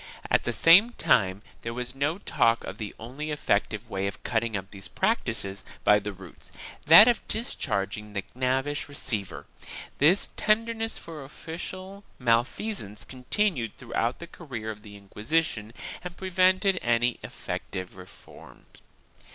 1 At the same time there was no talk of the only effective way of cutting up these practices by the roots — that of discharging the knavish receiver. This tenderness for official malfeasance continued throughout the career of the Inquisition and prevented any effective reform.